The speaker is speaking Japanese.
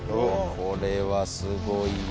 これはすごいよ。